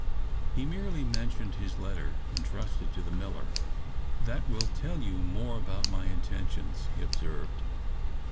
He merely mentioned his letter entrusted to the miller. "That will tell you more about my intentions," he observed.